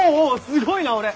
すごいな俺。